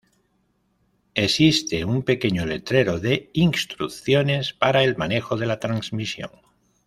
Existe un pequeño letrero de instrucciones para el manejo de la transmisión.